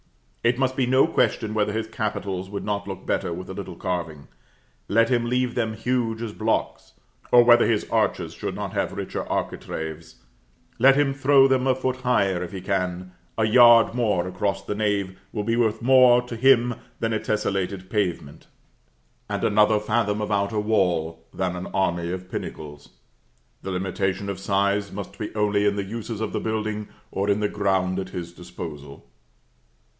It must be no question whether his capitals would not look better with a little carving let him leave them huge as blocks; or whether his arches should not have richer architraves let him throw them a foot higher, if he can; a yard more across the nave will be worth more to him than a tesselated pavement; and another fathom of outer wall, than an army of pinnacles. The limitation of size must be only in the uses of the building, or in the ground at his disposal.